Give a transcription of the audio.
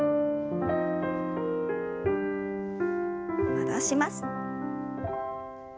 戻します。